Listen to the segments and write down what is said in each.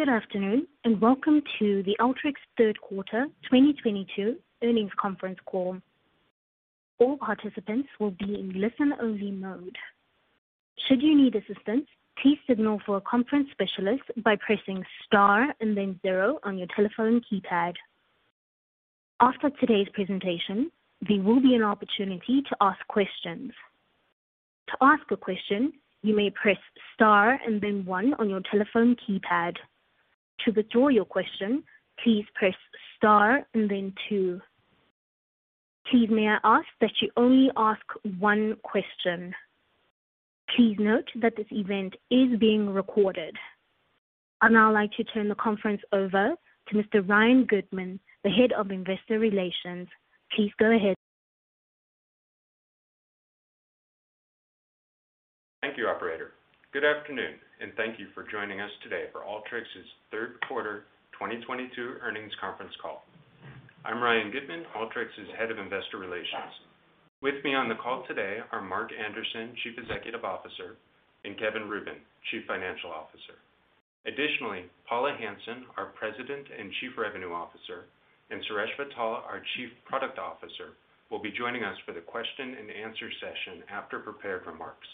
Good afternoon, and welcome to the Alteryx third quarter 2022 earnings conference call. All participants will be in listen-only mode. Should you need assistance, please signal for a conference specialist by pressing star and then zero on your telephone keypad. After today's presentation, there will be an opportunity to ask questions. To ask a question, you may press star and then one on your telephone keypad. To withdraw your question, please press star and then two. Please, may I ask that you only ask one question. Please note that this event is being recorded. I'd now like to turn the conference over to Mr. Ryan Goodman, Head of Investor Relations. Please go ahead. Thank you, operator. Good afternoon, and thank you for joining us today for Alteryx's third quarter 2022 earnings conference call. I'm Ryan Goodman, Alteryx's Head of Investor Relations. With me on the call today are Mark Anderson, Chief Executive Officer, and Kevin Rubin, Chief Financial Officer. Additionally, Paula Hansen, our President and Chief Revenue Officer, and Suresh Vittal, our Chief Product Officer, will be joining us for the question-and-answer session after prepared remarks.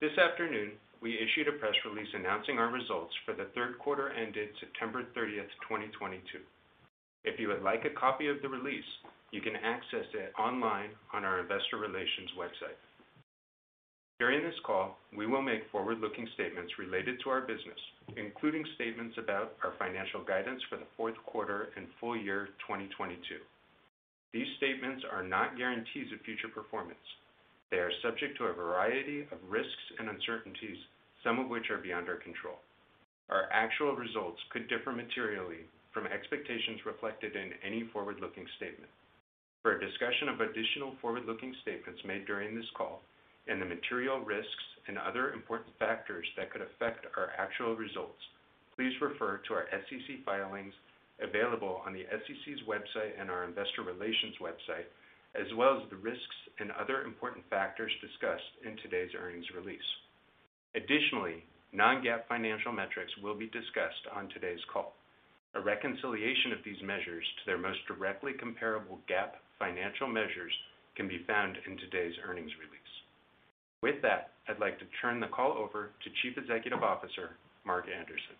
This afternoon, we issued a press release announcing our results for the third quarter ended September 30, 2022. If you would like a copy of the release, you can access it online on our investor relations website. During this call, we will make forward-looking statements related to our business, including statements about our financial guidance for the fourth quarter and full year 2022. These statements are not guarantees of future performance. They are subject to a variety of risks and uncertainties, some of which are beyond our control. Our actual results could differ materially from expectations reflected in any forward-looking statement. For a discussion of additional forward-looking statements made during this call and the material risks and other important factors that could affect our actual results, please refer to our SEC filings available on the SEC's website and our investor relations website, as well as the risks and other important factors discussed in today's earnings release. Additionally, non-GAAP financial metrics will be discussed on today's call. A reconciliation of these measures to their most directly comparable GAAP financial measures can be found in today's earnings release. With that, I'd like to turn the call over to Chief Executive Officer Mark Anderson.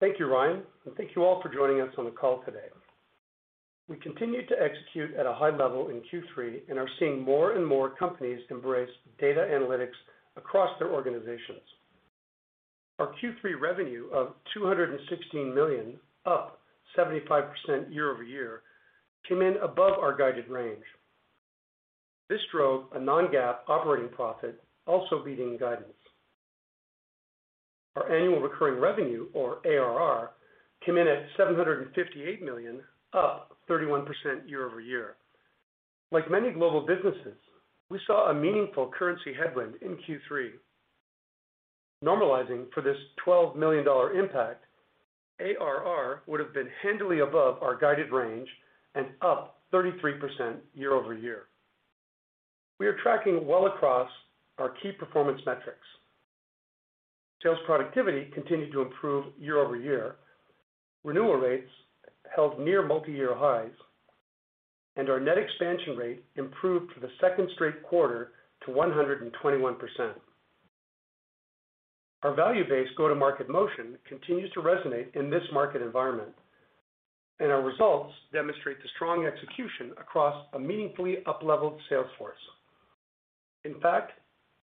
Thank you, Ryan, and thank you all for joining us on the call today. We continue to execute at a high level in Q3 and are seeing more and more companies embrace data analytics across their organizations. Our Q3 revenue of $216 million, up 75% year-over-year, came in above our guided range. This drove a non-GAAP operating profit, also beating guidance. Our annual recurring revenue or ARR came in at $758 million, up 31% year-over-year. Like many global businesses, we saw a meaningful currency headwind in Q3. Normalizing for this $12 million impact, ARR would have been handily above our guided range and up 33% year-over-year. We are tracking well across our key performance metrics. Sales productivity continued to improve year-over-year. Renewal rates held near multi-year highs, and our net expansion rate improved for the second straight quarter to 121%. Our value-based go-to-market motion continues to resonate in this market environment, and our results demonstrate the strong execution across a meaningfully up-leveled sales force. In fact,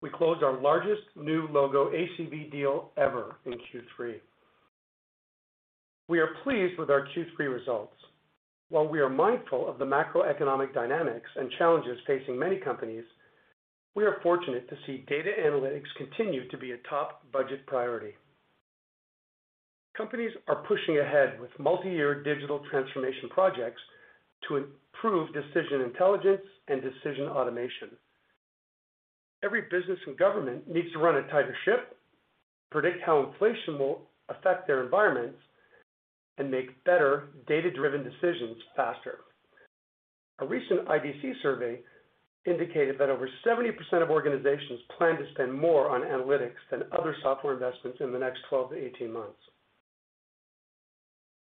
we closed our largest new logo ACV deal ever in Q3. We are pleased with our Q3 results. While we are mindful of the macroeconomic dynamics and challenges facing many companies, we are fortunate to see data analytics continue to be a top budget priority. Companies are pushing ahead with multi-year digital transformation projects to improve decision intelligence and decision automation. Every business and government needs to run a tighter ship, predict how inflation will affect their environments, and make better data-driven decisions faster. A recent IDC survey indicated that over 70% of organizations plan to spend more on analytics than other software investments in the next 12 months-18 months.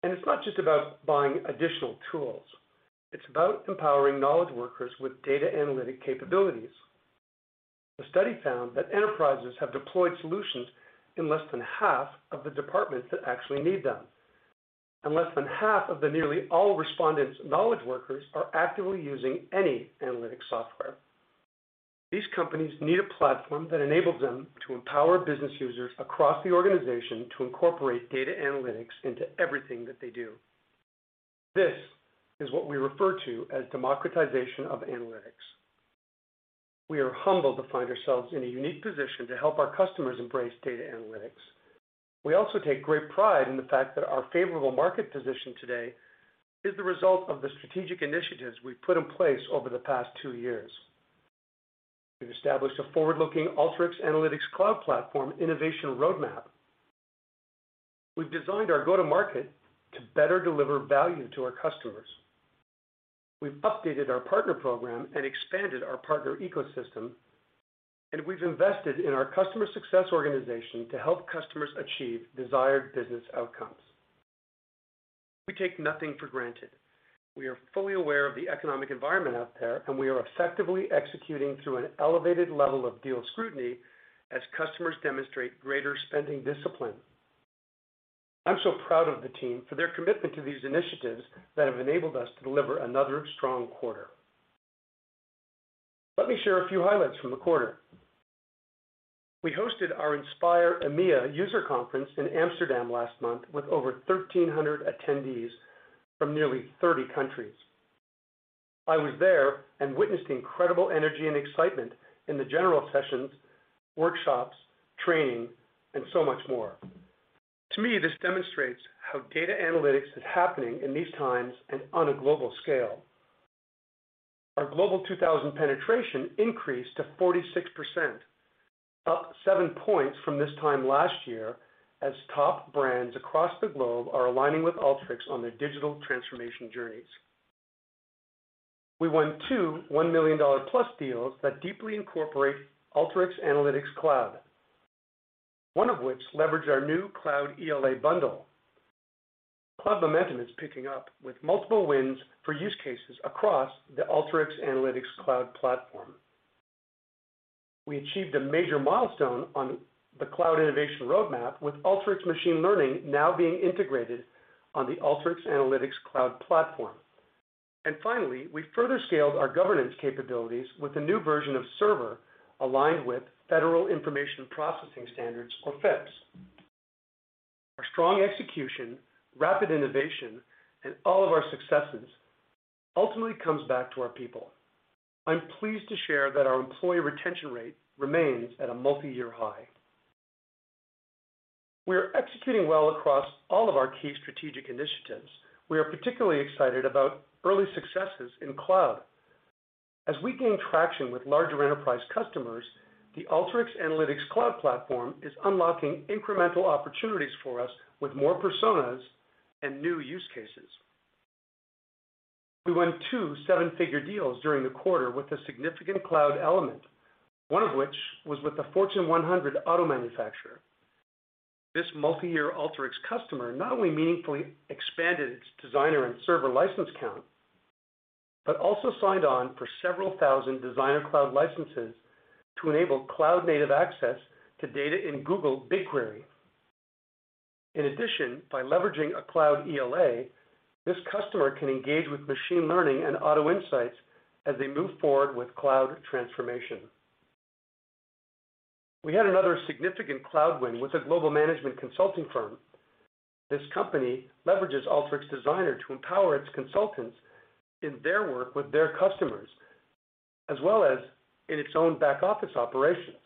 It's not just about buying additional tools. It's about empowering knowledge workers with data analytic capabilities. The study found that enterprises have deployed solutions in less than half of the departments that actually need them. Less than half of the nearly all respondents' knowledge workers are actively using any analytic software. These companies need a platform that enables them to empower business users across the organization to incorporate data analytics into everything that they do. This is what we refer to as democratization of analytics. We are humbled to find ourselves in a unique position to help our customers embrace data analytics. We also take great pride in the fact that our favorable market position today is the result of the strategic initiatives we've put in place over the past two years. We've established a forward-looking Alteryx Analytics Cloud platform innovation roadmap. We've designed our go-to-market to better deliver value to our customers. We've updated our partner program and expanded our partner ecosystem, and we've invested in our customer success organization to help customers achieve desired business outcomes. We take nothing for granted. We are fully aware of the economic environment out there, and we are effectively executing through an elevated level of deal scrutiny as customers demonstrate greater spending discipline. I'm so proud of the team for their commitment to these initiatives that have enabled us to deliver another strong quarter. Let me share a few highlights from the quarter. We hosted our Inspire EMEA user conference in Amsterdam last month with over 1,300 attendees from nearly 30 countries. I was there and witnessed the incredible energy and excitement in the general sessions, workshops, training, and so much more. To me, this demonstrates how data analytics is happening in these times and on a global scale. Our Global 2000 penetration increased to 46%, up 7 points from this time last year as top brands across the globe are aligning with Alteryx on their digital transformation journeys. We won two $1 million+ deals that deeply incorporate Alteryx Analytics Cloud. One of which leveraged our new Cloud ELA bundle. Cloud momentum is picking up with multiple wins for use cases across the Alteryx Analytics Cloud platform. We achieved a major milestone on the cloud innovation roadmap with Alteryx Machine Learning now being integrated on the Alteryx Analytics Cloud platform. Finally, we further scaled our governance capabilities with a new version of Server aligned with Federal Information Processing Standards, or FIPS. Our strong execution, rapid innovation, and all of our successes ultimately comes back to our people. I'm pleased to share that our employee retention rate remains at a multiyear high. We are executing well across all of our key strategic initiatives. We are particularly excited about early successes in cloud. As we gain traction with larger enterprise customers, the Alteryx Analytics Cloud platform is unlocking incremental opportunities for us with more personas and new use cases. We won two seven-figure deals during the quarter with a significant cloud element, one of which was with a Fortune 100 auto manufacturer. This multiyear Alteryx customer not only meaningfully expanded its Designer and Server license count, but also signed on for several thousand Designer Cloud licenses to enable cloud-native access to data in Google BigQuery. In addition, by leveraging a cloud ELA, this customer can engage with machine learning and Auto Insights as they move forward with cloud transformation. We had another significant cloud win with a global management consulting firm. This company leverages Alteryx Designer to empower its consultants in their work with their customers, as well as in its own back-office operations.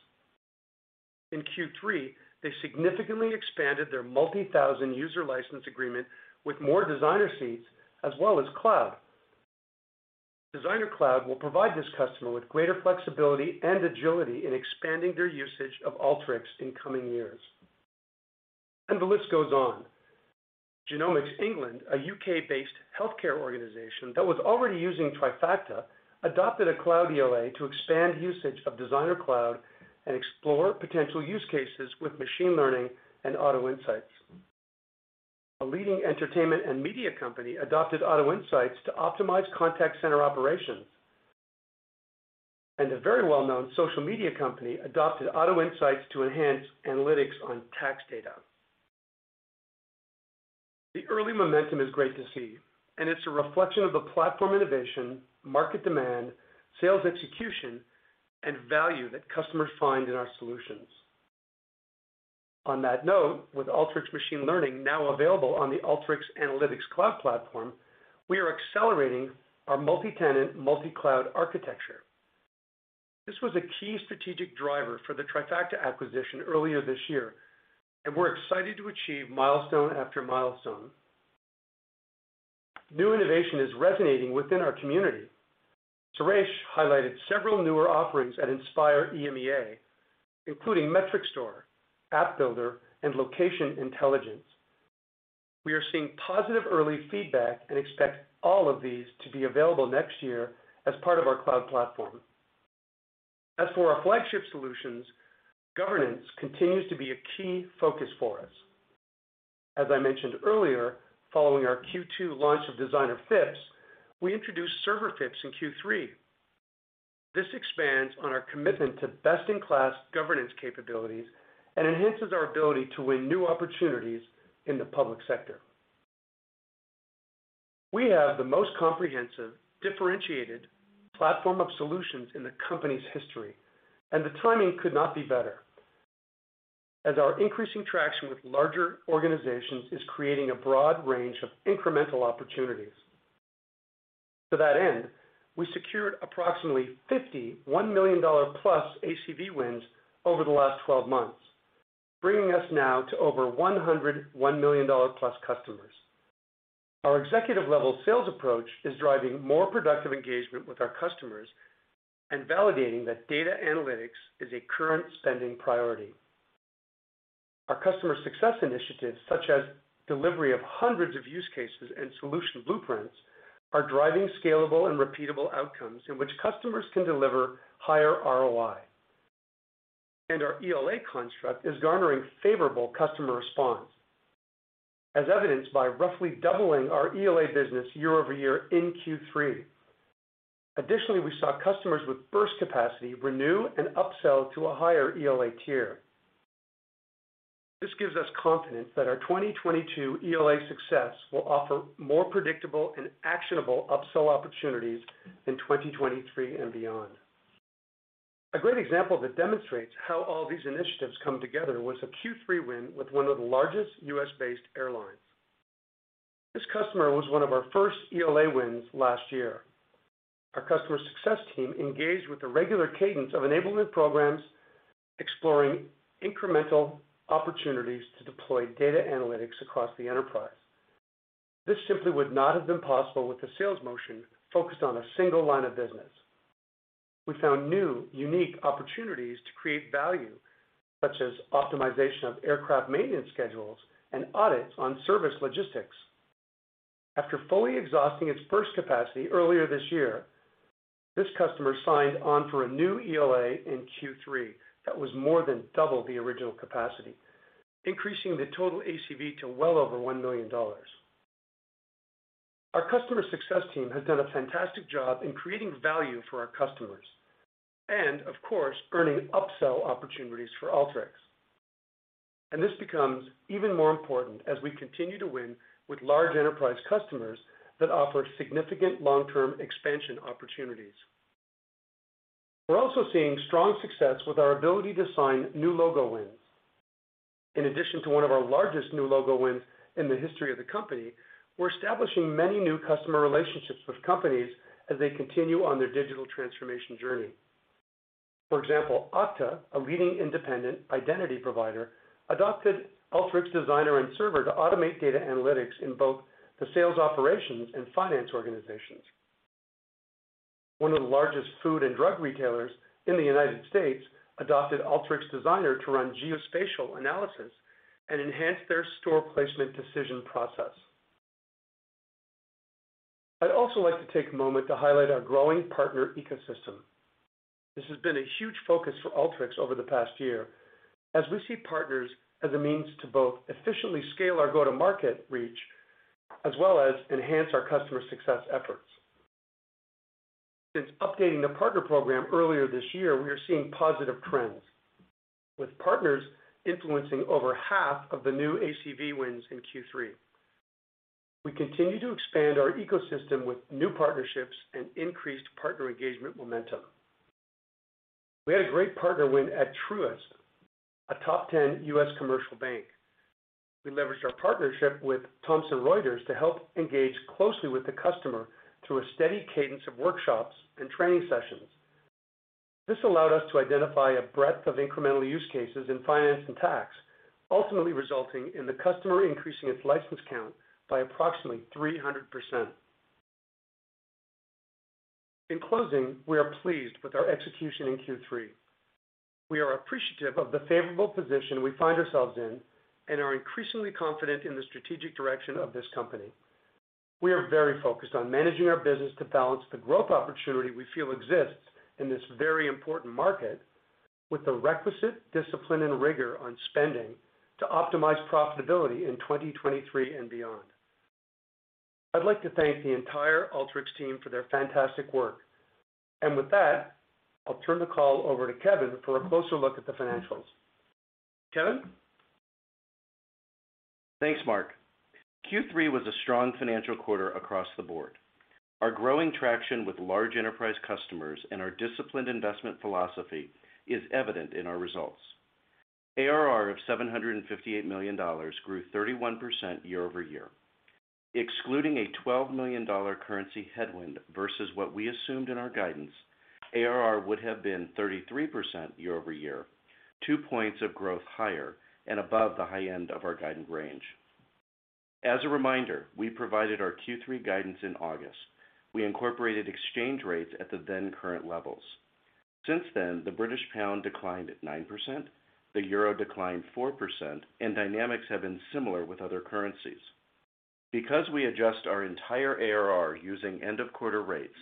In Q3, they significantly expanded their multi-thousand user license agreement with more Designer seats as well as cloud. Designer Cloud will provide this customer with greater flexibility and agility in expanding their usage of Alteryx in coming years. The list goes on. Genomics England, a U.K.-based healthcare organization that was already using Trifacta, adopted a Cloud ELA to expand usage of Designer Cloud and explore potential use cases with machine learning and Auto Insights. A leading entertainment and media company adopted Auto Insights to optimize contact center operations. A very well-known social media company adopted Auto Insights to enhance analytics on tax data. The early momentum is great to see, and it's a reflection of the platform innovation, market demand, sales execution, and value that customers find in our solutions. On that note, with Alteryx Machine Learning now available on the Alteryx Analytics Cloud platform, we are accelerating our multi-tenant, multi-cloud architecture. This was a key strategic driver for the Trifacta acquisition earlier this year, and we're excited to achieve milestone after milestone. New innovation is resonating within our community. Suresh highlighted several newer offerings at Inspire EMEA, including Metric Store, App Builder, and Location Intelligence. We are seeing positive early feedback and expect all of these to be available next year as part of our cloud platform. As for our flagship solutions, governance continues to be a key focus for us. As I mentioned earlier, following our Q2 launch of Designer-FIPS, we introduced Server-FIPS in Q3. This expands on our commitment to best-in-class governance capabilities and enhances our ability to win new opportunities in the public sector. We have the most comprehensive, differentiated platform of solutions in the company's history, and the timing could not be better, as our increasing traction with larger organizations is creating a broad range of incremental opportunities. To that end, we secured approximately $51 million+ ACV wins over the last 12 months, bringing us now to over $101 million+ customers. Our executive-level sales approach is driving more productive engagement with our customers and validating that data analytics is a current spending priority. Our customer success initiatives, such as delivery of hundreds of use cases and solution blueprints, are driving scalable and repeatable outcomes in which customers can deliver higher ROI. Our ELA construct is garnering favorable customer response, as evidenced by roughly doubling our ELA business year-over-year in Q3. Additionally, we saw customers with burst capacity renew and upsell to a higher ELA tier. This gives us confidence that our 2022 ELA success will offer more predictable and actionable upsell opportunities in 2023 and beyond. A great example that demonstrates how all these initiatives come together was a Q3 win with one of the largest U.S.-based airlines. This customer was one of our first ELA wins last year. Our customer success team engaged with a regular cadence of enablement programs, exploring incremental opportunities to deploy data analytics across the enterprise. This simply would not have been possible with the sales motion focused on a single line of business. We found new, unique opportunities to create value, such as optimization of aircraft maintenance schedules and audits on service logistics. After fully exhausting its first capacity earlier this year, this customer signed on for a new ELA in Q3 that was more than double the original capacity, increasing the total ACV to well over $1 million. Our customer success team has done a fantastic job in creating value for our customers and, of course, earning upsell opportunities for Alteryx. This becomes even more important as we continue to win with large enterprise customers that offer significant long-term expansion opportunities. We're also seeing strong success with our ability to sign new logo wins. In addition to one of our largest new logo wins in the history of the company, we're establishing many new customer relationships with companies as they continue on their digital transformation journey. For example, Okta, a leading independent identity provider, adopted Alteryx Designer and Server to automate data analytics in both the sales operations and finance organizations. One of the largest food and drug retailers in the United States adopted Alteryx Designer to run geospatial analysis and enhance their store placement decision process. I'd also like to take a moment to highlight our growing partner ecosystem. This has been a huge focus for Alteryx over the past year as we see partners as a means to both efficiently scale our go-to-market reach, as well as enhance our customer success efforts. Since updating the partner program earlier this year, we are seeing positive trends, with partners influencing over half of the new ACV wins in Q3. We continue to expand our ecosystem with new partnerships and increased partner engagement momentum. We had a great partner win at Truist, a top 10 U.S. commercial bank. We leveraged our partnership with Thomson Reuters to help engage closely with the customer through a steady cadence of workshops and training sessions. This allowed us to identify a breadth of incremental use cases in finance and tax, ultimately resulting in the customer increasing its license count by approximately 300%. In closing, we are pleased with our execution in Q3. We are appreciative of the favorable position we find ourselves in and are increasingly confident in the strategic direction of this company. We are very focused on managing our business to balance the growth opportunity we feel exists in this very important market with the requisite discipline and rigor on spending to optimize profitability in 2023 and beyond. I'd like to thank the entire Alteryx team for their fantastic work. With that, I'll turn the call over to Kevin for a closer look at the financials. Kevin? Thanks, Mark. Q3 was a strong financial quarter across the board. Our growing traction with large enterprise customers and our disciplined investment philosophy is evident in our results. ARR of $758 million grew 31% year-over-year. Excluding a $12 million currency headwind versus what we assumed in our guidance, ARR would have been 33% year-over-year, two points of growth higher and above the high end of our guided range. As a reminder, we provided our Q3 guidance in August. We incorporated exchange rates at the then current levels. Since then, the British pound declined 9%, the euro declined 4%, and dynamics have been similar with other currencies. Because we adjust our entire ARR using end-of-quarter rates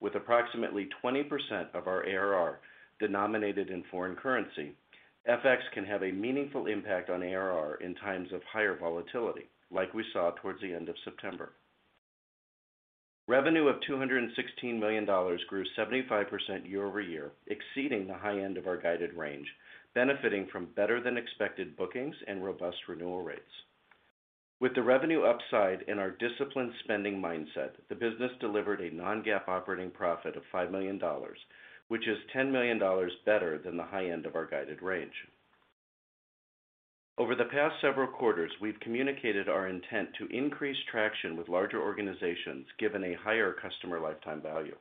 with approximately 20% of our ARR denominated in foreign currency, FX can have a meaningful impact on ARR in times of higher volatility, like we saw towards the end of September. Revenue of $216 million grew 75% year-over-year, exceeding the high end of our guided range, benefiting from better than expected bookings and robust renewal rates. With the revenue upside and our disciplined spending mindset, the business delivered a non-GAAP operating profit of $5 million, which is $10 million better than the high end of our guided range. Over the past several quarters, we've communicated our intent to increase traction with larger organizations given a higher customer lifetime value.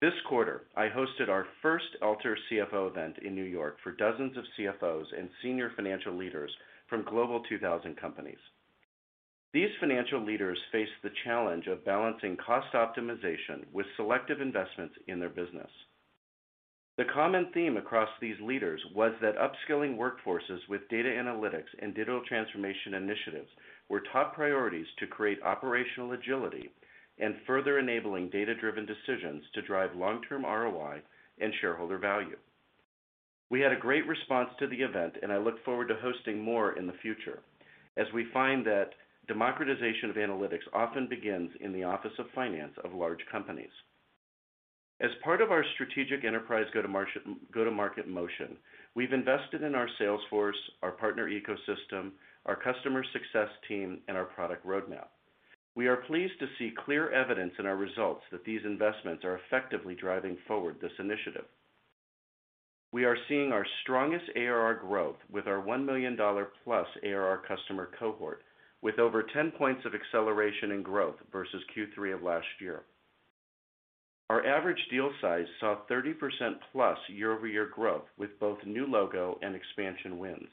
This quarter, I hosted our first Alteryx CFO event in New York for dozens of CFOs and senior financial leaders from Global 2000 companies. These financial leaders face the challenge of balancing cost optimization with selective investments in their business. The common theme across these leaders was that upskilling workforces with data analytics and digital transformation initiatives were top priorities to create operational agility and further enabling data-driven decisions to drive long-term ROI and shareholder value. We had a great response to the event, and I look forward to hosting more in the future, as we find that democratization of analytics often begins in the office of finance of large companies. As part of our strategic enterprise go-to-market motion, we've invested in our sales force, our partner ecosystem, our customer success team, and our product roadmap. We are pleased to see clear evidence in our results that these investments are effectively driving forward this initiative. We are seeing our strongest ARR growth with our $1 million+ ARR customer cohort, with over 10 points of acceleration in growth versus Q3 of last year. Our average deal size saw 30%+ year-over-year growth with both new logo and expansion wins.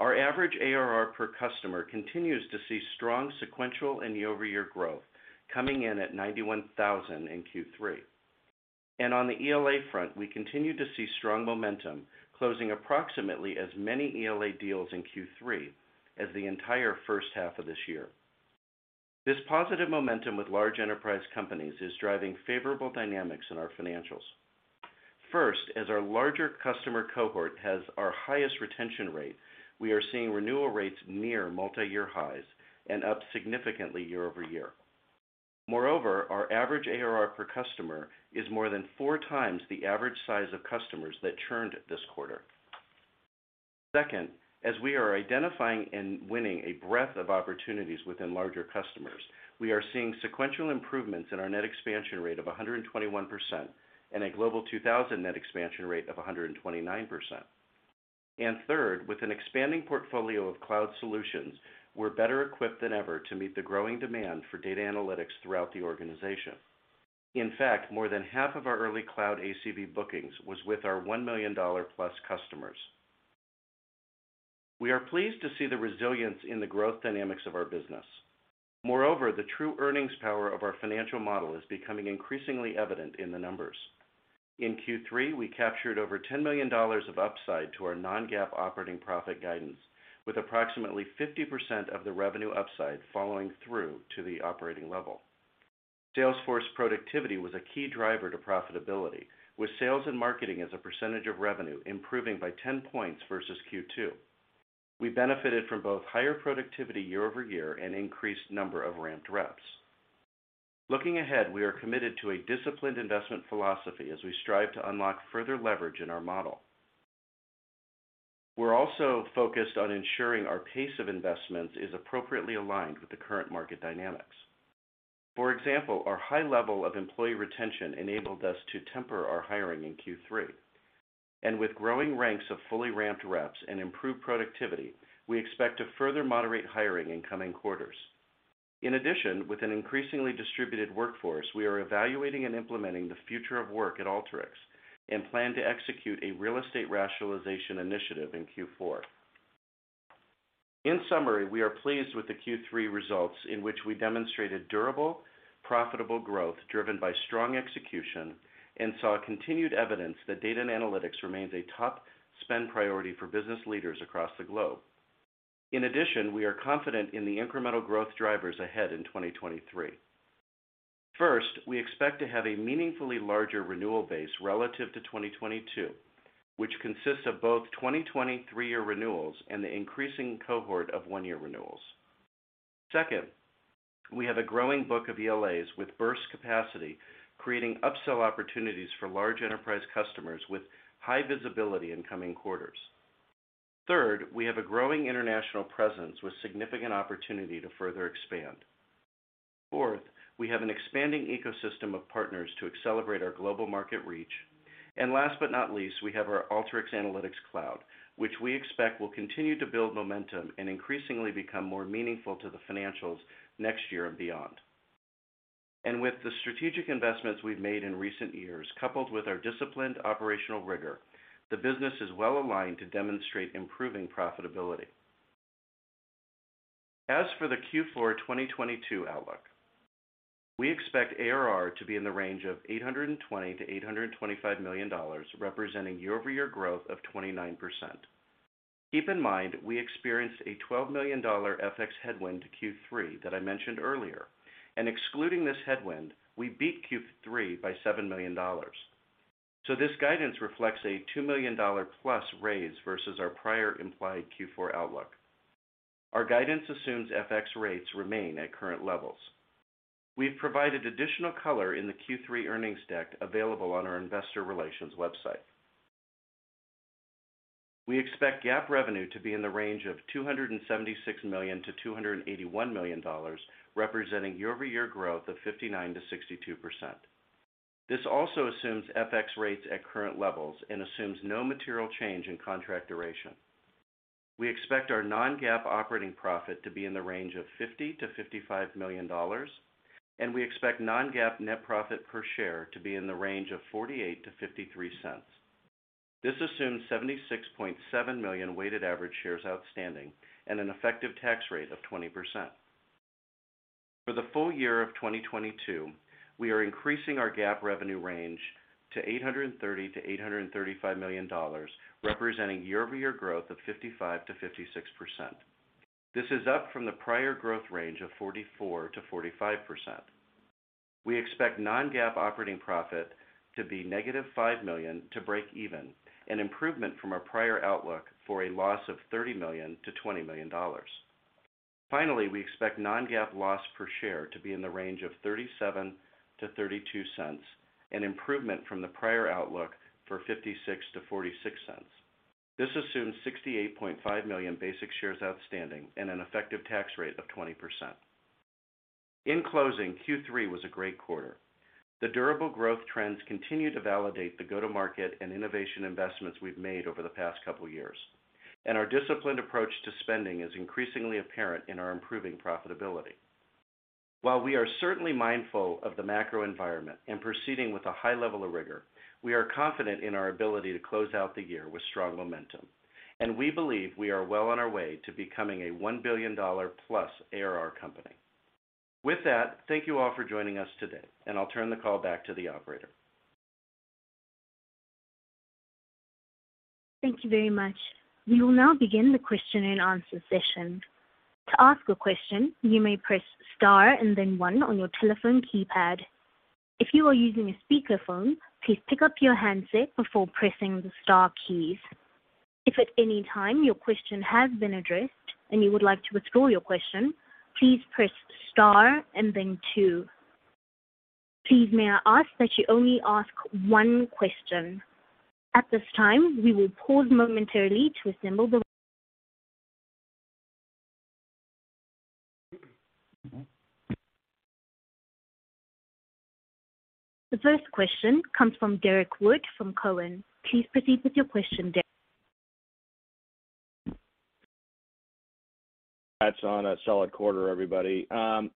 Our average ARR per customer continues to see strong sequential and year-over-year growth, coming in at $91,000 in Q3. On the ELA front, we continue to see strong momentum, closing approximately as many ELA deals in Q3 as the entire first half of this year. This positive momentum with large enterprise companies is driving favorable dynamics in our financials. First, as our larger customer cohort has our highest retention rate, we are seeing renewal rates near multiyear highs and up significantly year-over-year. Moreover, our average ARR per customer is more than 4x the average size of customers that churned this quarter. Second, as we are identifying and winning a breadth of opportunities within larger customers, we are seeing sequential improvements in our net expansion rate of 121% and a Global 2000 net expansion rate of 129%. Third, with an expanding portfolio of cloud solutions, we're better equipped than ever to meet the growing demand for data analytics throughout the organization. In fact, more than half of our early cloud ACV bookings was with our $1 million+ customers. We are pleased to see the resilience in the growth dynamics of our business. Moreover, the true earnings power of our financial model is becoming increasingly evident in the numbers. In Q3, we captured over $10 million of upside to our non-GAAP operating profit guidance, with approximately 50% of the revenue upside following through to the operating level. Salesforce productivity was a key driver to profitability, with sales and marketing as a percentage of revenue improving by 10 points versus Q2. We benefited from both higher productivity year-over-year and increased number of ramped reps. Looking ahead, we are committed to a disciplined investment philosophy as we strive to unlock further leverage in our model. We're also focused on ensuring our pace of investments is appropriately aligned with the current market dynamics. For example, our high level of employee retention enabled us to temper our hiring in Q3. With growing ranks of fully ramped reps and improved productivity, we expect to further moderate hiring in coming quarters. In addition, with an increasingly distributed workforce, we are evaluating and implementing the future of work at Alteryx and plan to execute a real estate rationalization initiative in Q4. In summary, we are pleased with the Q3 results in which we demonstrated durable, profitable growth driven by strong execution and saw continued evidence that data and analytics remains a top spend priority for business leaders across the globe. In addition, we are confident in the incremental growth drivers ahead in 2023. First, we expect to have a meaningfully larger renewal base relative to 2022, which consists of both 2023-year renewals and the increasing cohort of one-year renewals. Second, we have a growing book of ELAs with burst capacity, creating upsell opportunities for large enterprise customers with high visibility in coming quarters. Third, we have a growing international presence with significant opportunity to further expand. Fourth, we have an expanding ecosystem of partners to accelerate our global market reach. Last but not least, we have our Alteryx Analytics Cloud, which we expect will continue to build momentum and increasingly become more meaningful to the financials next year and beyond. With the strategic investments we've made in recent years, coupled with our disciplined operational rigor, the business is well aligned to demonstrate improving profitability. As for the Q4 2022 outlook, we expect ARR to be in the range of $820 million-$825 million, representing year-over-year growth of 29%. Keep in mind, we experienced a $12 million FX headwind to Q3 that I mentioned earlier, and excluding this headwind, we beat Q3 by $7 million. This guidance reflects a $2 million+ raise versus our prior implied Q4 outlook. Our guidance assumes FX rates remain at current levels. We've provided additional color in the Q3 earnings deck available on our investor relations website. We expect GAAP revenue to be in the range of $276 million-$281 million, representing year-over-year growth of 59%-62%. This also assumes FX rates at current levels and assumes no material change in contract duration. We expect our non-GAAP operating profit to be in the range of $50 million-$55 million, and we expect non-GAAP net profit per share to be in the range of $0.48-$0.53. This assumes 76.7 million weighted average shares outstanding and an effective tax rate of 20%. For the full year of 2022, we are increasing our GAAP revenue range to $830 million-$835 million, representing year-over-year growth of 55%-56%. This is up from the prior growth range of 44%-45%. We expect non-GAAP operating profit to be -$5 million to break even, an improvement from our prior outlook for a loss of $30 million-$20 million. Finally, we expect non-GAAP loss per share to be in the range of $0.37-$0.32, an improvement from the prior outlook for $0.56-$0.46. This assumes 68.5 million basic shares outstanding and an effective tax rate of 20%. In closing, Q3 was a great quarter. The durable growth trends continue to validate the go-to-market and innovation investments we've made over the past couple of years, and our disciplined approach to spending is increasingly apparent in our improving profitability. While we are certainly mindful of the macro environment and proceeding with a high level of rigor, we are confident in our ability to close out the year with strong momentum, and we believe we are well on our way to becoming a $1 billion+ ARR company. With that, thank you all for joining us today, and I'll turn the call back to the operator. Thank you very much. We will now begin the question-and-answer session. To ask a question, you may press star and then one on your telephone keypad. If you are using a speakerphone, please pick up your handset before pressing the star keys. If at any time your question has been addressed and you would like to withdraw your question, please press star and then two. Please, may I ask that you only ask one question. At this time, we will pause momentarily to assemble the questions. The first question comes from Derrick Wood from Cowen. Please proceed with your question, Derrick. Congrats on a solid quarter, everybody.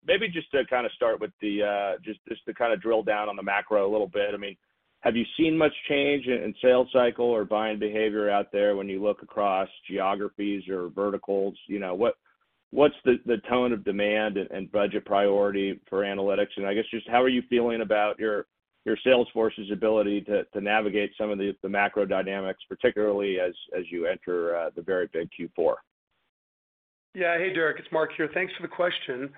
Maybe just to kind of drill down on the macro a little bit. I mean, have you seen much change in sales cycle or buying behavior out there when you look across geographies or verticals? You know, what's the tone of demand and budget priority for analytics? I guess just how are you feeling about your sales force's ability to navigate some of the macro dynamics, particularly as you enter the very big Q4? Yeah. Hey, Derrick. It's Mark here. Thanks for the question.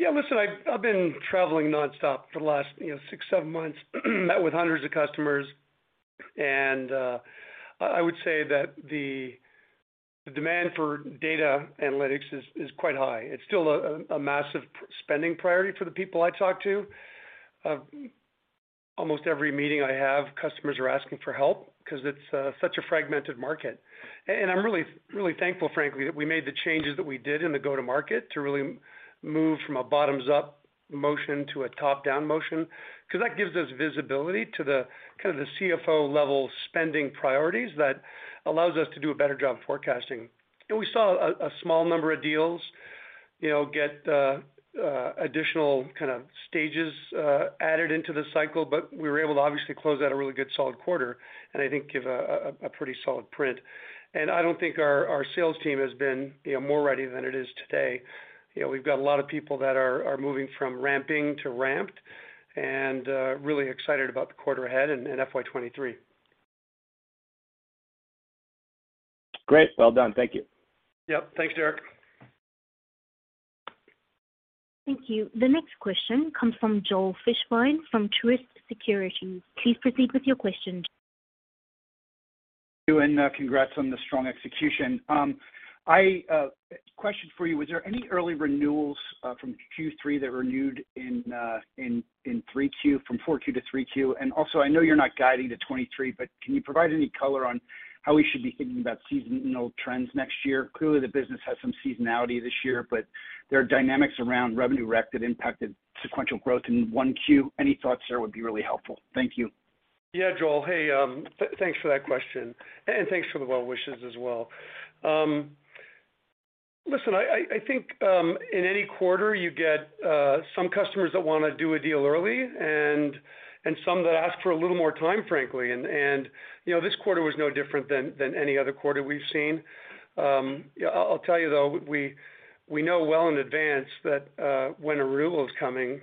Yeah, listen, I've been traveling nonstop for the last, you know, six months, seven months, met with hundreds of customers. I would say that the demand for data analytics is quite high. It's still a massive spending priority for the people I talk to. Almost every meeting I have, customers are asking for help because it's such a fragmented market. I'm really, really thankful, frankly, that we made the changes that we did in the go-to-market to really move from a bottoms-up motion to a top-down motion, because that gives us visibility to the kind of the CFO level spending priorities that allows us to do a better job forecasting. We saw a small number of deals, you know, get additional kind of stages added into the cycle, but we were able to obviously close out a really good solid quarter and I think give a pretty solid print. I don't think our sales team has been, you know, more ready than it is today. You know, we've got a lot of people that are moving from ramping to ramped and really excited about the quarter ahead and FY 2023. Great. Well done. Thank you. Yep. Thanks, Derrick. Thank you. The next question comes from Joel Fishbein from Truist Securities. Please proceed with your question, Joel. Thank you, and congrats on the strong execution. Question for you, was there any early renewals from Q4 to Q3? Also, I know you're not guiding to 2023, but can you provide any color on how we should be thinking about seasonal trends next year? Clearly, the business has some seasonality this year, but there are dynamics around revenue rec that impacted sequential growth in 1Q. Any thoughts there would be really helpful. Thank you. Yeah. Joel, hey, thanks for that question, and thanks for the well wishes as well. Listen, I think in any quarter, you get some customers that wanna do a deal early and some that ask for a little more time, frankly. You know, this quarter was no different than any other quarter we've seen. Yeah, I'll tell you though, we know well in advance that when a renewal is coming,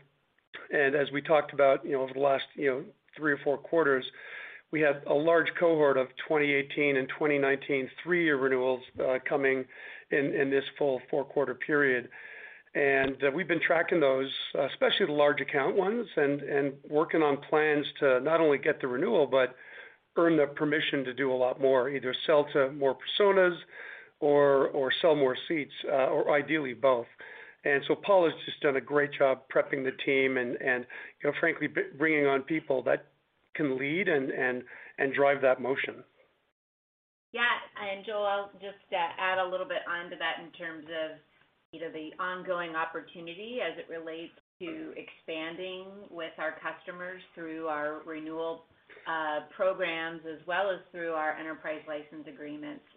and as we talked about, you know, over the last, you know, three or four quarters, we had a large cohort of 2018 and 2019 three-year renewals coming in this full four-quarter period. We've been tracking those, especially the large account ones, and working on plans to not only get the renewal, but earn the permission to do a lot more, either sell to more personas or sell more seats, or ideally both. Paula's just done a great job prepping the team and, you know, frankly, bringing on people that can lead and drive that motion. Yeah. Joel, I'll just add a little bit onto that in terms of. You know, the ongoing opportunity as it relates to expanding with our customers through our renewal programs as well as through our enterprise license agreements.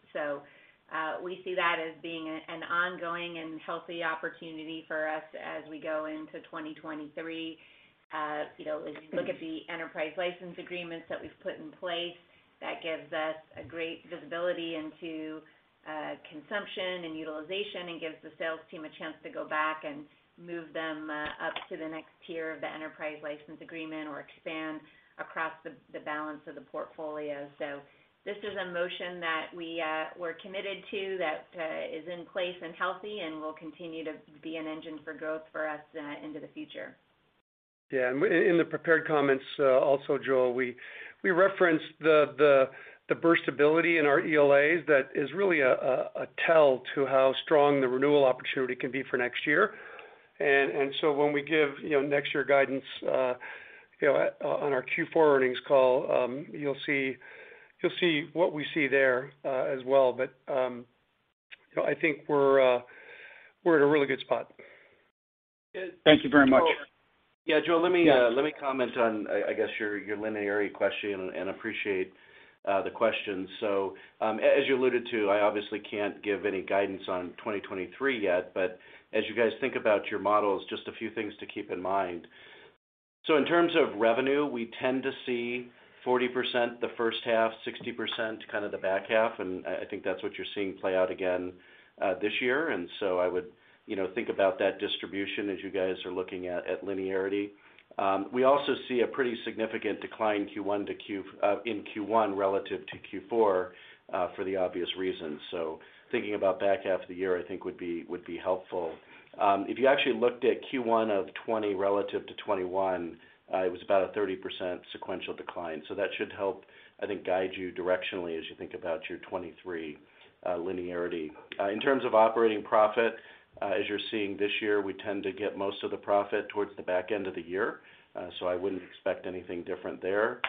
We see that as being an ongoing and healthy opportunity for us as we go into 2023. You know, as you look at the enterprise license agreements that we've put in place, that gives us a great visibility into consumption and utilization, and gives the sales team a chance to go back and move them up to the next tier of the enterprise license agreement or expand across the balance of the portfolio. This is a motion that we're committed to that is in place and healthy, and will continue to be an engine for growth for us into the future. Yeah. In the prepared comments, also, Joel, we referenced the burst ability in our ELAs that is really a tell to how strong the renewal opportunity can be for next year. When we give, you know, next year guidance, you know, on our Q4 earnings call, you'll see what we see there, as well. You know, I think we're in a really good spot. Thank you very much. Yeah, Joel, let me comment on, I guess your linearity question, and appreciate the question. As you alluded to, I obviously can't give any guidance on 2023 yet, but as you guys think about your models, just a few things to keep in mind. In terms of revenue, we tend to see 40% the first half, 60% kind of the back half, and I think that's what you're seeing play out again this year. I would, you know, think about that distribution as you guys are looking at linearity. We also see a pretty significant decline in Q1 relative to Q4 for the obvious reasons. Thinking about back half of the year, I think would be helpful. If you actually looked at Q1 of 2020 relative to 2021, it was about a 30% sequential decline. That should help, I think, guide you directionally as you think about your 2023 linearity. In terms of operating profit, as you're seeing this year, we tend to get most of the profit towards the back end of the year. I wouldn't expect anything different there.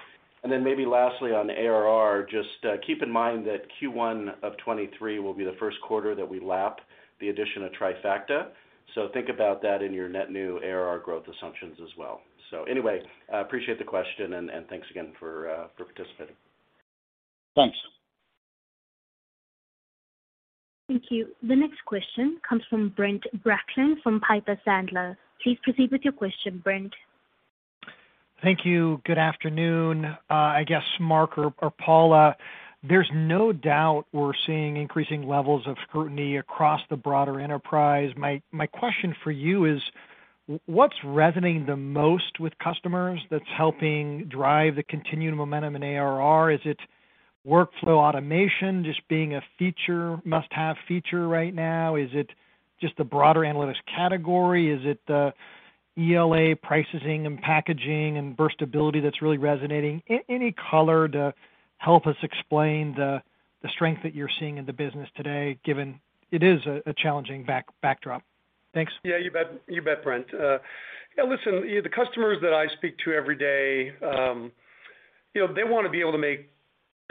Then maybe lastly on ARR, just keep in mind that Q1 of 2023 will be the first quarter that we lap the addition of Trifacta. Think about that in your net new ARR growth assumptions as well. Anyway, I appreciate the question, and thanks again for participating. Thanks. Thank you. The next question comes from Brent Bracelin from Piper Sandler. Please proceed with your question, Brent. Thank you. Good afternoon. I guess Mark or Paula, there's no doubt we're seeing increasing levels of scrutiny across the broader enterprise. My question for you is, what's resonating the most with customers that's helping drive the continued momentum in ARR? Is it workflow automation just being a feature, must-have feature right now? Is it just the broader analytics category? Is it the ELA pricing and packaging and burst ability that's really resonating? Any color to help us explain the strength that you're seeing in the business today, given it is a challenging backdrop. Thanks. Yeah, you bet. You bet, Brent. Yeah, listen, the customers that I speak to every day, you know, they wanna be able to make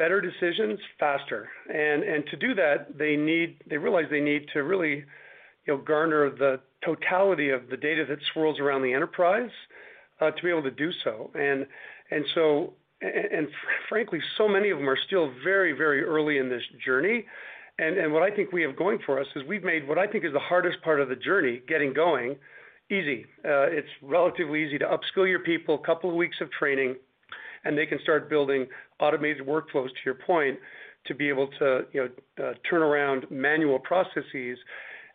better decisions faster. To do that, they realize they need to really, you know, garner the totality of the data that swirls around the enterprise, to be able to do so. Frankly, so many of them are still very early in this journey. What I think we have going for us is we've made what I think is the hardest part of the journey, getting going, easy. It's relatively easy to upskill your people, couple of weeks of training, and they can start building automated workflows, to your point, to be able to, you know, turn around manual processes.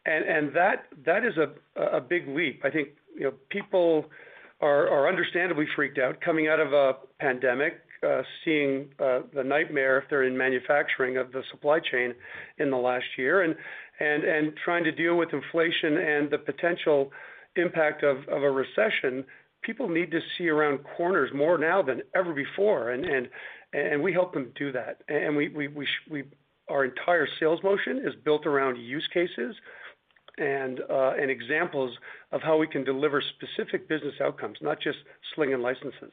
That is a big leap. I think, you know, people are understandably freaked out coming out of a pandemic, seeing the nightmare if they're in manufacturing of the supply chain in the last year. Trying to deal with inflation and the potential impact of a recession, people need to see around corners more now than ever before. We help them do that. Our entire sales motion is built around use cases and examples of how we can deliver specific business outcomes, not just slinging licenses.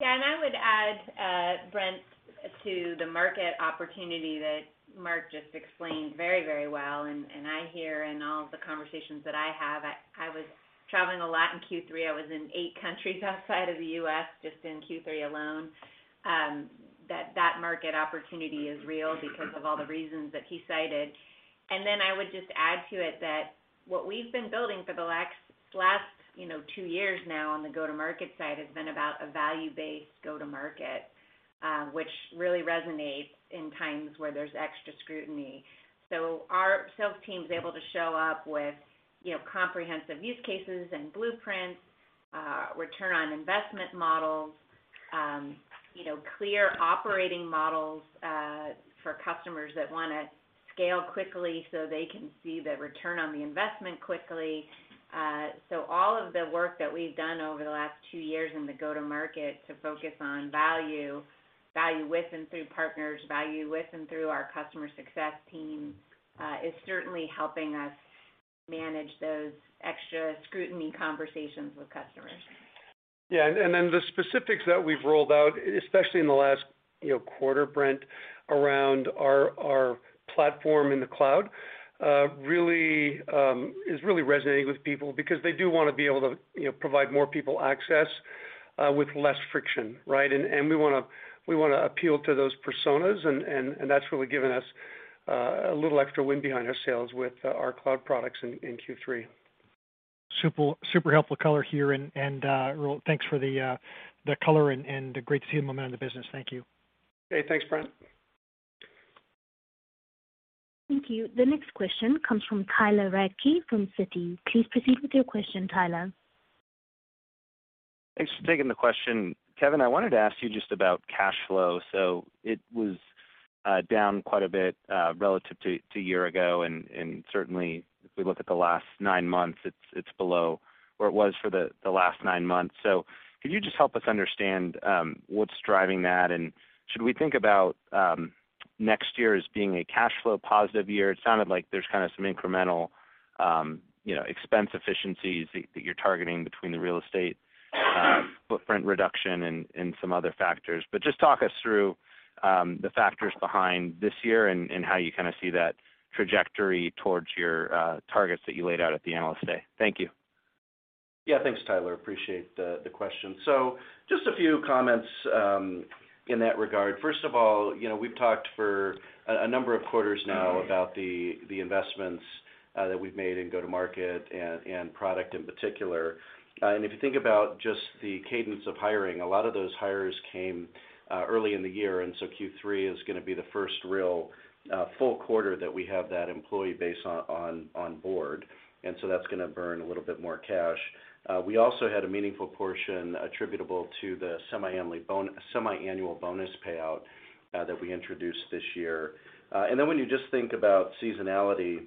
Yeah. I would add, Brent, to the market opportunity that Mark just explained very, very well, and I hear in all the conversations that I have. I was traveling a lot in Q3. I was in eight countries outside of the U.S. just in Q3 alone. That market opportunity is real because of all the reasons that he cited. I would just add to it that what we've been building for the last, you know, two years now on the go-to-market side has been about a value-based go-to-market, which really resonates in times where there's extra scrutiny. Our sales team's able to show up with, you know, comprehensive use cases and blueprints, return on investment models, you know, clear operating models, for customers that wanna scale quickly so they can see the return on the investment quickly. All of the work that we've done over the last two years in the go-to-market to focus on value with and through partners, value with and through our customer success team, is certainly helping us manage those extra scrutiny conversations with customers. Yeah. The specifics that we've rolled out, especially in the last, you know, quarter, Brent, around our platform in the cloud really is really resonating with people because they do wanna be able to, you know, provide more people access with less friction, right? We wanna appeal to those personas and that's really given us a little extra wind behind our sails with our cloud products in Q3. Super helpful color here and well, thanks for the color and great to see the momentum of the business. Thank you. Okay. Thanks, Brent. Thank you. The next question comes from Tyler Radke from Citi. Please proceed with your question, Tyler. Thanks for taking the question. Kevin, I wanted to ask you just about cash flow. It was down quite a bit relative to year ago, and certainly if we look at the last nine months, it's below where it was for the last nine months. Could you just help us understand what's driving that? Should we think about next year as being a cash flow positive year? It sounded like there's kind of some incremental you know expense efficiencies that you're targeting between the real estate footprint reduction and some other factors. Just talk us through the factors behind this year and how you kinda see that trajectory towards your targets that you laid out at the Analyst Day. Thank you. Yeah. Thanks, Tyler. Appreciate the question. Just a few comments in that regard. First of all, you know, we've talked for a number of quarters now about the investments that we've made in go-to-market and product in particular. If you think about just the cadence of hiring, a lot of those hires came early in the year, and Q3 is gonna be the first real full quarter that we have that employee base on board. That's gonna burn a little bit more cash. We also had a meaningful portion attributable to the semiannual bonus payout that we introduced this year. When you just think about seasonality,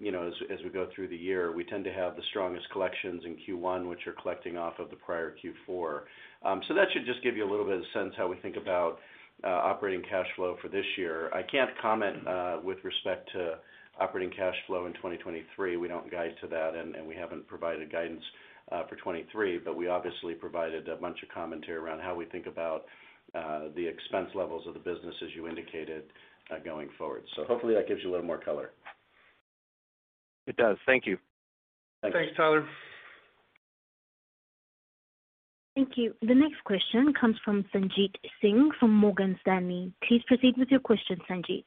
you know, as we go through the year, we tend to have the strongest collections in Q1, which are collecting off of the prior Q4. That should just give you a little bit of sense how we think about operating cash flow for this year. I can't comment with respect to operating cash flow in 2023. We don't guide to that, and we haven't provided guidance for 2023, but we obviously provided a bunch of commentary around how we think about the expense levels of the business as you indicated going forward. Hopefully that gives you a little more color. It does. Thank you. Thanks. Thanks, Tyler. Thank you. The next question comes from Sanjit Singh from Morgan Stanley. Please proceed with your question, Sanjit.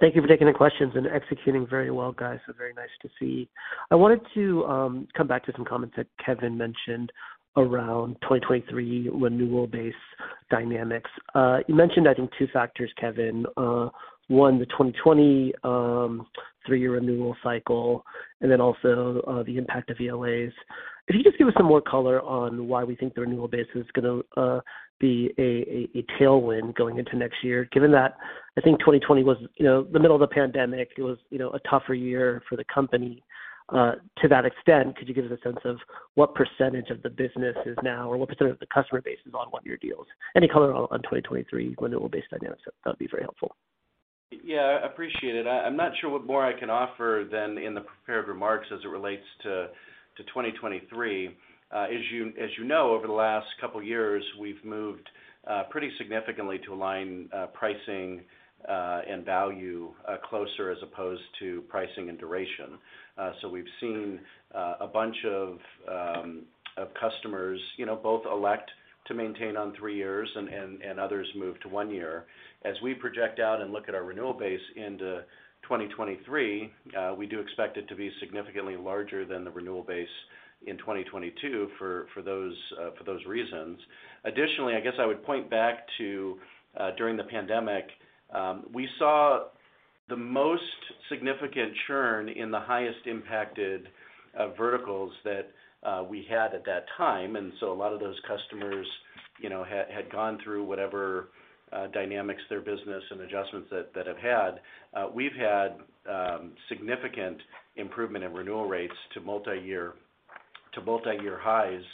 Thank you for taking the questions and executing very well, guys. Very nice to see. I wanted to come back to some comments that Kevin mentioned around 2023 renewal base dynamics. You mentioned, I think two factors, Kevin. One, the 2020 three-year renewal cycle and then also the impact of ELAs. Could you just give us some more color on why we think the renewal base is gonna be a tailwind going into next year, given that I think 2020 was, you know, the middle of the pandemic, it was, you know, a tougher year for the company. To that extent, could you give us a sense of what percentage of the business is now or what percent of the customer base is on one-year deals? Any color on 2023 renewal base dynamics, that'd be very helpful. Yeah, appreciate it. I'm not sure what more I can offer than in the prepared remarks as it relates to 2023. As you know, over the last couple years, we've moved pretty significantly to align pricing and value closer as opposed to pricing and duration. We've seen a bunch of customers, you know, both elect to maintain on three years and others move to one year. As we project out and look at our renewal base into 2023, we do expect it to be significantly larger than the renewal base in 2022 for those reasons. Additionally, I guess I would point back to during the pandemic, we saw the most significant churn in the highest impacted verticals that we had at that time. A lot of those customers, you know, had gone through whatever dynamics their business and adjustments that have had. We've had significant improvement in renewal rates to multi-year highs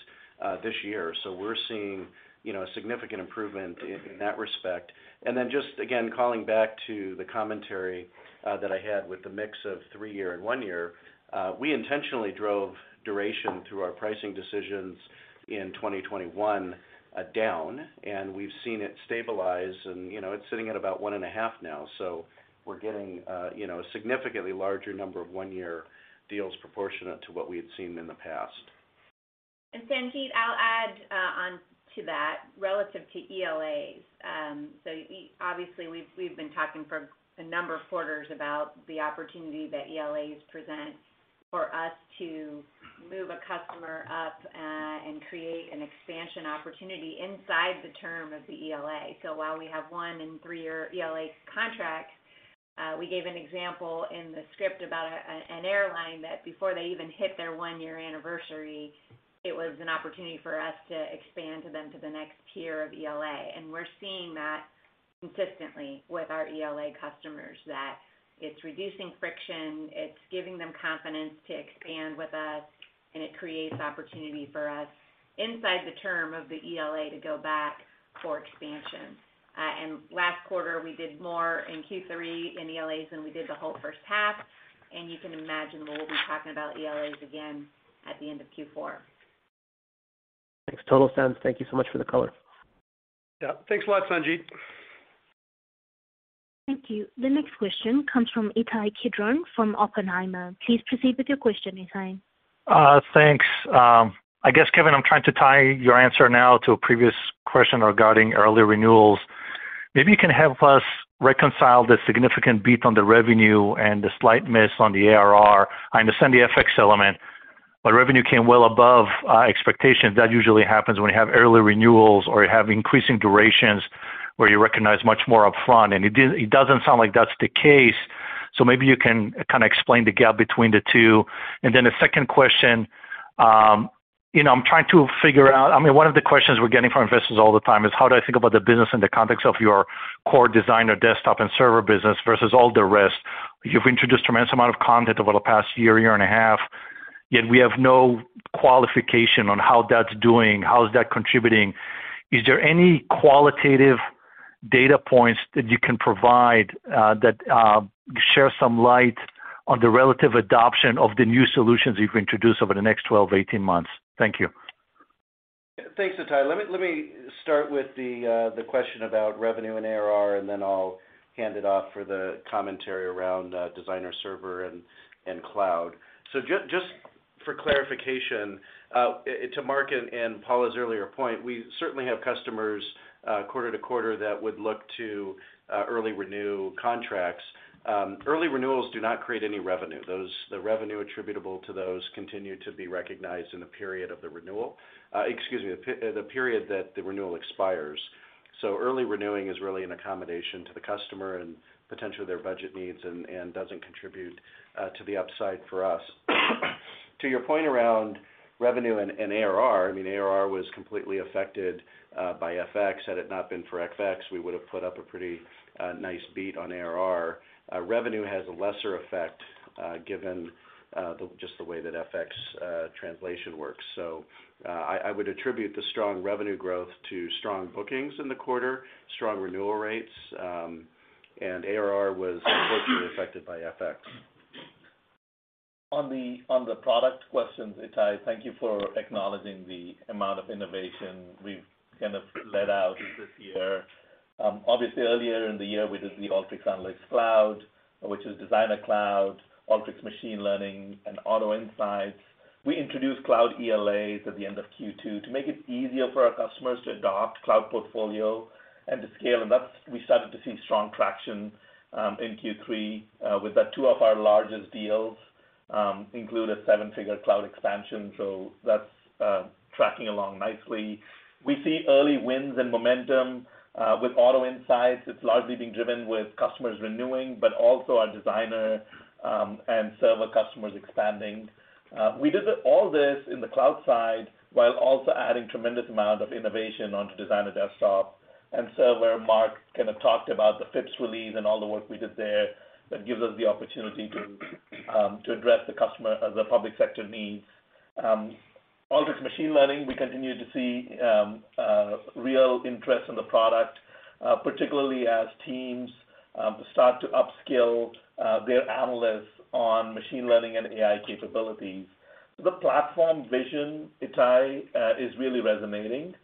this year. We're seeing, you know, a significant improvement in that respect. Just again, calling back to the commentary that I had with the mix of three-year and one-year, we intentionally drove duration through our pricing decisions in 2021, down, and we've seen it stabilize and, you know, it's sitting at about 1.5 now. We're getting, you know, a significantly larger number of one-year deals proportionate to what we had seen in the past. Sanjit, I'll add onto that relative to ELAs. Obviously we've been talking for a number of quarters about the opportunity that ELAs present for us to move a customer up and create an expansion opportunity inside the term of the ELA. While we have one- and three-year ELA contracts, we gave an example in the script about an airline that before they even hit their one-year anniversary, it was an opportunity for us to expand them to the next tier of ELA. We're seeing that consistently with our ELA customers, that it's reducing friction, it's giving them confidence to expand with us, and it creates opportunity for us inside the term of the ELA to go back for expansion. Last quarter, we did more in Q3 in ELAs than we did the whole first half. You can imagine we'll be talking about ELAs again at the end of Q4. Thanks. Total sense. Thank you so much for the color. Yeah. Thanks a lot, Sanjit. Thank you. The next question comes from Ittai Kidron from Oppenheimer. Please proceed with your question, Ittai. Thanks. I guess, Kevin, I'm trying to tie your answer now to a previous question regarding early renewals. Maybe you can help us reconcile the significant beat on the revenue and the slight miss on the ARR. I understand the FX element, but revenue came well above expectations. That usually happens when you have early renewals or you have increasing durations where you recognize much more upfront, and it doesn't sound like that's the case. Maybe you can kind of explain the gap between the two. Then the second question, you know, I'm trying to figure out. I mean, one of the questions we're getting from investors all the time is how do I think about the business in the context of your core Designer desktop and Server business versus all the rest. You've introduced tremendous amount of content over the past 1.5 year, yet we have no qualification on how that's doing, how is that contributing. Is there any qualitative data points that you can provide, that, shed some light on the relative adoption of the new solutions you've introduced over the next 12 months-18 months? Thank you. Thanks, Ittai. Let me start with the question about revenue and ARR, and then I'll hand it off for the commentary around Designer, Server, and Cloud. Just for clarification, to Mark and Paula's earlier point, we certainly have customers quarter to quarter that would look to early renew contracts. Early renewals do not create any revenue. The revenue attributable to those continue to be recognized in the period of the renewal. Excuse me, the period that the renewal expires. Early renewing is really an accommodation to the customer and potentially their budget needs and doesn't contribute to the upside for us. To your point around revenue and ARR, I mean, ARR was completely affected by FX. Had it not been for FX, we would have put up a pretty nice beat on ARR. Revenue has a lesser effect, given the way that FX translation works. I would attribute the strong revenue growth to strong bookings in the quarter, strong renewal rates, and ARR was unfortunately affected by FX. On the product questions, Ittai, thank you for acknowledging the amount of innovation we've kind of let out this year. Obviously earlier in the year, we did the Alteryx Analytics Cloud, which is Designer Cloud, Alteryx Machine Learning, and Auto Insights. We introduced Cloud ELAs at the end of Q2 to make it easier for our customers to adopt cloud portfolio and to scale. That's we started to see strong traction in Q3 with that two of our largest deals include a seven-figure cloud expansion. That's tracking along nicely. We see early wins and momentum with Auto Insights. It's largely being driven with customers renewing, but also our Designer and Server customers expanding. We did all this in the cloud side while also adding tremendous amount of innovation onto Designer Desktop. Where Mark kind of talked about the FIPS release and all the work we did there, that gives us the opportunity to address the customer as the public sector needs. Alteryx Machine Learning, we continue to see real interest in the product, particularly as teams start to upskill their analysts on machine learning and AI capabilities. The platform vision, Ittai, is really resonating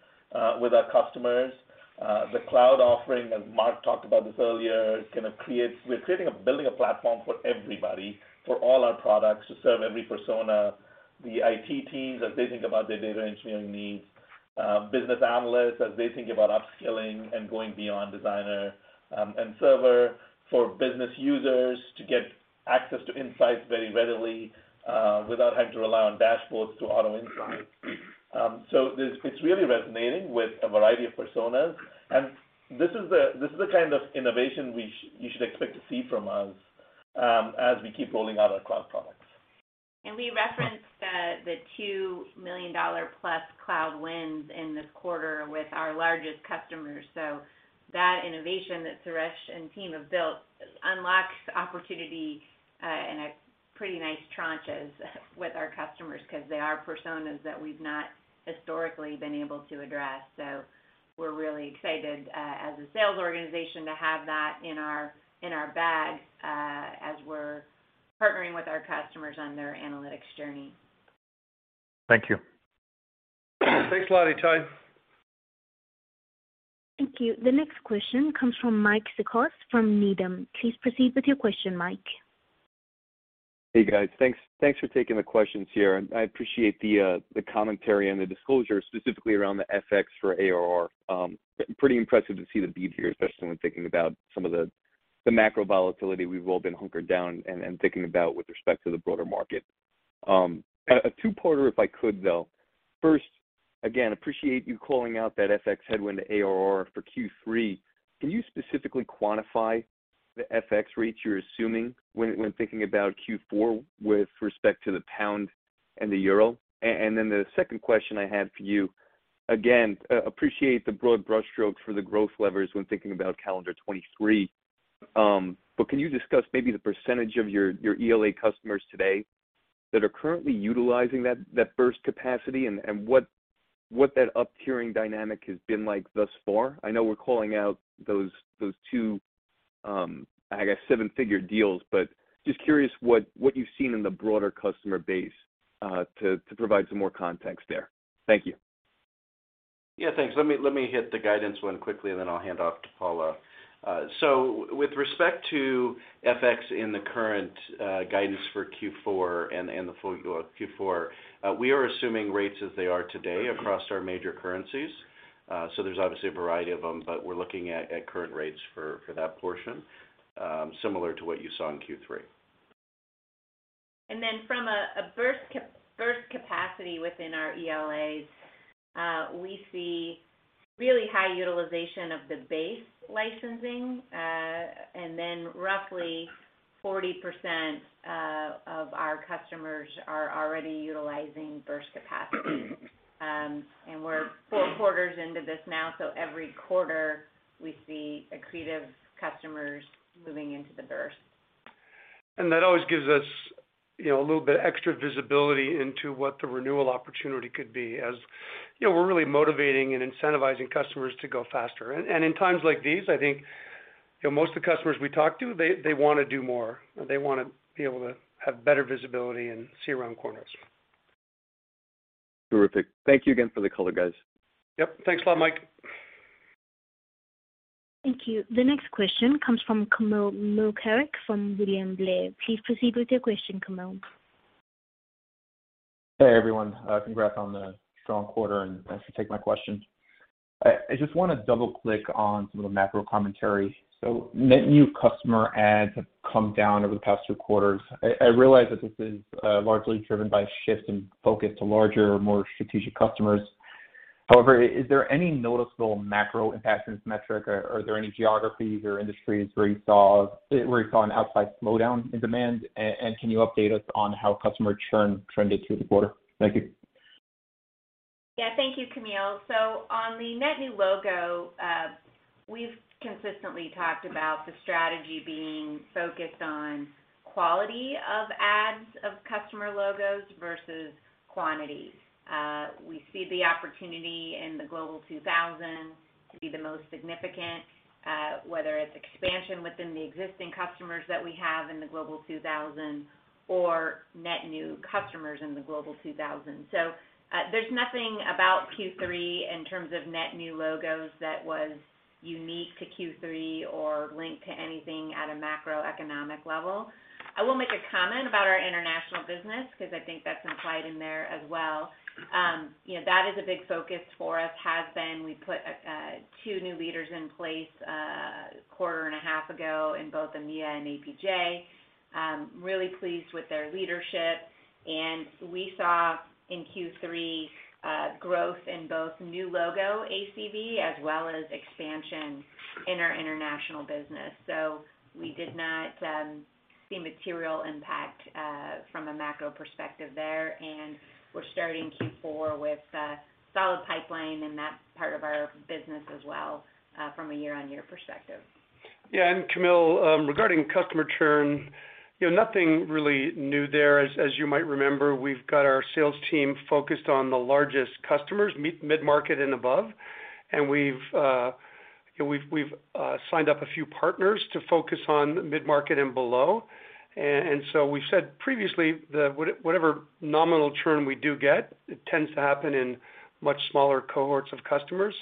with our customers. The cloud offering, as Mark talked about this earlier, kind of, we're creating and building a platform for everybody, for all our products to serve every persona. The IT teams, as they think about their data engineering needs, business analysts, as they think about upskilling and going beyond Designer, and server for business users to get access to insights very readily, without having to rely on dashboards to Auto Insights. It's really resonating with a variety of personas. This is the kind of innovation you should expect to see from us, as we keep rolling out our cloud products. We referenced the $2 million+ cloud wins in this quarter with our largest customers. That innovation that Suresh and team have built unlocks opportunity in a pretty nice tranches with our customers because they are personas that we've not historically been able to address. We're really excited as a sales organization to have that in our bag as we're partnering with our customers on their analytics journey. Thank you. Thanks a lot, Ittai. Thank you. The next question comes from Mike Cikos from Needham. Please proceed with your question, Mike. Hey, guys. Thanks for taking the questions here. I appreciate the commentary and the disclosure, specifically around the FX for ARR. Pretty impressive to see the beat here, especially when thinking about some of the macro volatility we've all been hunkered down and thinking about with respect to the broader market. A two-parter, if I could, though. First, again, appreciate you calling out that FX headwind to ARR for Q3. Can you specifically quantify the FX rates you're assuming when thinking about Q4 with respect to the pound and the euro? Then the second question I had for you, again, appreciate the broad brushstrokes for the growth levers when thinking about calendar 2023. Can you discuss maybe the percentage of your ELA customers today that are currently utilizing that burst capacity and what that uptiering dynamic has been like thus far? I know we're calling out those two, I guess, seven-figure deals, but just curious what you've seen in the broader customer base to provide some more context there. Thank you. Yeah, thanks. Let me hit the guidance one quickly, and then I'll hand off to Paula. With respect to FX in the current guidance for Q4 and the full year Q4, we are assuming rates as they are today across our major currencies. There's obviously a variety of them, but we're looking at current rates for that portion, similar to what you saw in Q3. From a burst capacity within our ELAs, we see really high utilization of the base licensing. Roughly 40% of our customers are already utilizing burst capacity. We're four quarters into this now, so every quarter we see accretive customers moving into the burst. That always gives us, you know, a little bit of extra visibility into what the renewal opportunity could be. As, you know, we're really motivating and incentivizing customers to go faster. In times like these, I think, you know, most of the customers we talk to, they wanna do more. They wanna be able to have better visibility and see around corners. Terrific. Thank you again for the color, guys. Yep. Thanks a lot, Mike. Thank you. The next question comes from Kamil Mielczarek from William Blair. Please proceed with your question, Kamil. Hey, everyone. Congrats on the strong quarter, and thanks for taking my question. I just wanna double-click on some of the macro commentary. Net new customer adds have come down over the past two quarters. I realize that this is largely driven by a shift in focus to larger, more strategic customers. However, is there any noticeable macro impact in this metric? Are there any geographies or industries where you saw an outsized slowdown in demand? And can you update us on how customer churn trended through the quarter? Thank you. Yeah. Thank you, Kamil. On the net new logo, we've consistently talked about the strategy being focused on quality of adds of customer logos versus quantity. We see the opportunity in the Global 2000 to be the most significant, whether it's expansion within the existing customers that we have in the Global 2000 or net new customers in the Global 2000. There's nothing about Q3 in terms of net new logos that was unique to Q3 or linked to anything at a macroeconomic level. I will make a comment about our international business 'cause I think that's implied in there as well. You know, that is a big focus for us, has been. We put two new leaders in place quarter and a half ago in both EMEA and APJ. Really pleased with their leadership. We saw in Q3 growth in both new logo ACV as well as expansion in our international business. We did not see material impact from a macro perspective there, and we're starting Q4 with a solid pipeline in that part of our business as well from a year-on-year perspective. Yeah, Kamil, regarding customer churn, you know, nothing really new there. As you might remember, we've got our sales team focused on the largest customers, mid-market and above. We've signed up a few partners to focus on mid-market and below. We said previously that whatever nominal churn we do get, it tends to happen in much smaller cohorts of customers.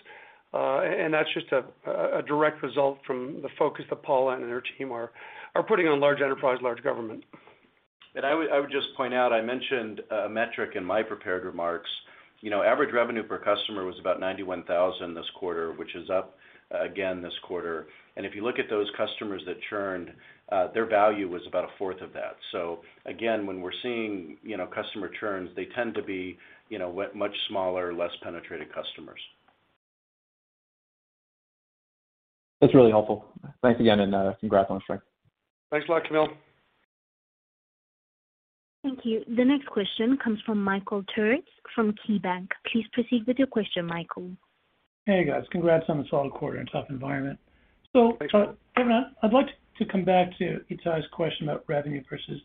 That's just a direct result from the focus that Paula and her team are putting on large enterprise, large government. I would just point out. I mentioned a metric in my prepared remarks. You know, average revenue per customer was about $91,000 this quarter, which is up again this quarter. If you look at those customers that churned, their value was about a fourth of that. Again, when we're seeing, you know, customer churns, they tend to be, you know, much smaller, less penetrated customers. That's really helpful. Thanks again, and, congrats on the strength. Thanks a lot, Kamil. Thank you. The next question comes from Michael Turits from KeyBanc. Please proceed with your question, Michael. Hey, guys. Congrats on the solid quarter in a tough environment. Thanks, Michael. Kevin Rubin, I'd like to come back to Ittai Kidron's question about revenue versus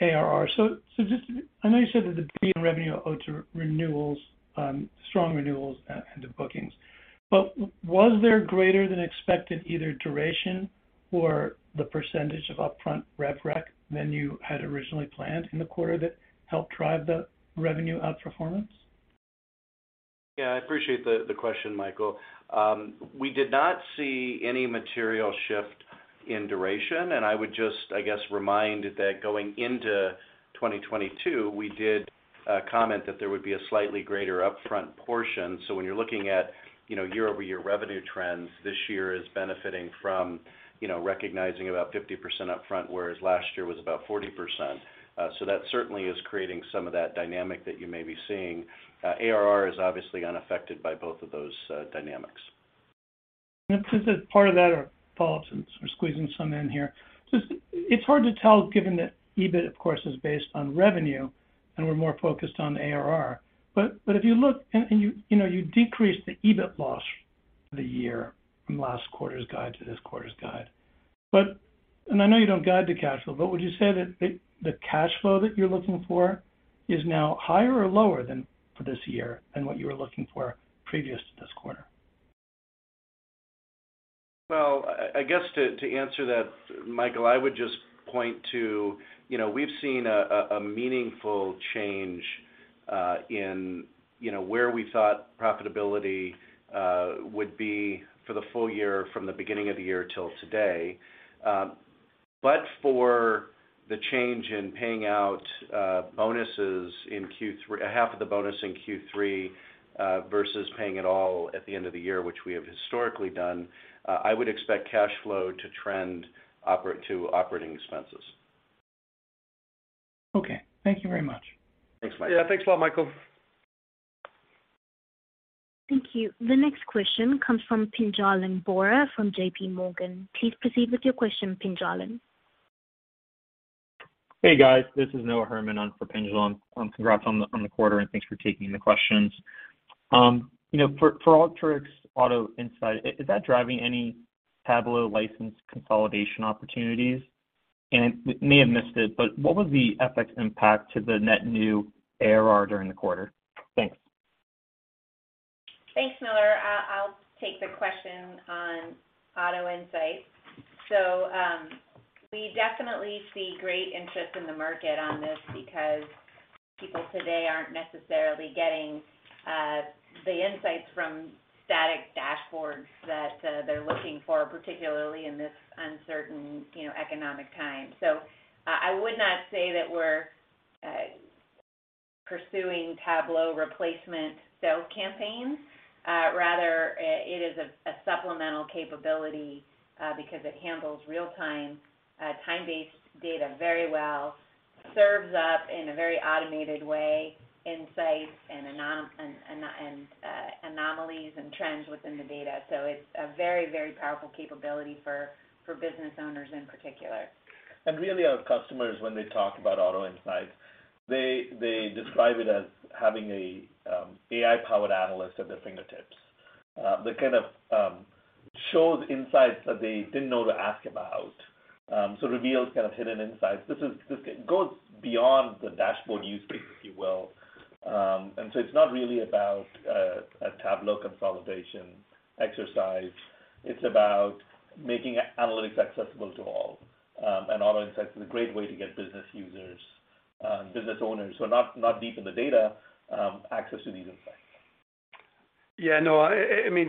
ARR. I know you said that the beat in revenue owed to renewals, strong renewals, and bookings. But was there greater than expected either duration or the percentage of upfront rev rec than you had originally planned in the quarter that helped drive the revenue outperformance? Yeah. I appreciate the question, Michael. We did not see any material shift in duration, and I would just, I guess, remind that going into 2022, we did comment that there would be a slightly greater upfront portion. When you're looking at, you know, year-over-year revenue trends, this year is benefiting from, you know, recognizing about 50% upfront, whereas last year was about 40%. That certainly is creating some of that dynamic that you may be seeing. ARR is obviously unaffected by both of those dynamics. Just as part of that, or follow-up since we're squeezing some in here. Just it's hard to tell, given that EBIT, of course, is based on revenue, and we're more focused on ARR. But if you look and you know you decrease the EBIT loss this year from last quarter's guide to this quarter's guide. I know you don't guide to cash flow, but would you say that the cash flow that you're looking for is now higher or lower than for this year than what you were looking for previous to this quarter? Well, I guess to answer that, Michael, I would just point to, you know, we've seen a meaningful change in, you know, where we thought profitability would be for the full year from the beginning of the year till today. For the change in paying out bonuses in Q3, 1/2 of the bonus in Q3 versus paying it all at the end of the year, which we have historically done, I would expect cash flow to trend to operating expenses. Okay. Thank you very much. Thanks, Michael. Yeah. Thanks a lot, Michael. Thank you. The next question comes from Pinjalim Bora from JPMorgan. Please proceed with your question, Pinjalim. Hey, guys. This is Noah Herman on for Pinjalim Bora. Congrats on the quarter, and thanks for taking the questions. You know, for Alteryx Auto Insights, is that driving any Tableau license consolidation opportunities? I may have missed it, but what was the FX impact to the net new ARR during the quarter? Thanks. Thanks, Noah. I'll take the question on Auto Insights. We definitely see great interest in the market on this because people today aren't necessarily getting the insights from static dashboards that they're looking for, particularly in this uncertain, you know, economic time. I would not say that we're pursuing Tableau replacement sale campaigns. Rather it is a supplemental capability because it handles real-time time-based data very well, serves up in a very automated way, insights and anomalies and trends within the data. It's a very powerful capability for business owners in particular. Really our customers when they talk about Auto Insights, they describe it as having a AI-powered analyst at their fingertips, that kind of shows insights that they didn't know to ask about. Reveals kind of hidden insights. This goes beyond the dashboard use case, if you will. It's not really about a Tableau consolidation exercise, it's about making analytics accessible to all. Auto Insights is a great way to get business users, business owners who are not deep in the data, access to these insights. I mean,